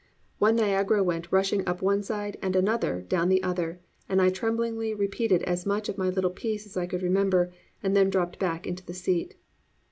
One Niagara went rushing up one side and another down the other, and I tremblingly repeated as much of my little piece as I could remember and then dropped back into the seat.